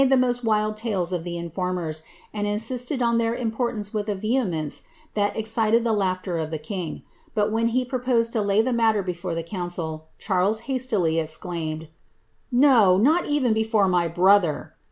the most of the wild tales of the informers, tnd insiited on their in portance with a vehemence that excited the laughter of the king; but, when he proposed to lay the matter before the council, Charles luttilj exclaimed :—Ni o ; not even before my brother